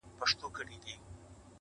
پر یوه بیرغ به ټول سي اولسونه؛